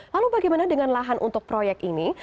lalu bagaimana dengan lahan untuk proyek ini